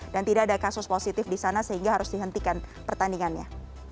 dan tidak ada kasus positif di sana sehingga harus dihentikan pertandingannya